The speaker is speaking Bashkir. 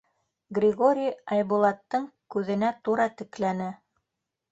— Григорий Айбулаттың күҙенә тура текләне.